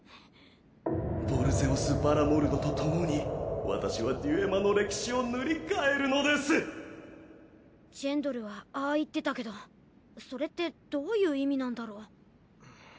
ヴォルゼオス・バラモルドと共に私はデュエマの歴史を塗りかえるのですジェンドルはああ言ってたけどそれってどういう意味なんだろ？